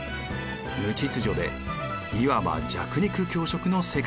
無秩序でいわば弱肉強食の世界。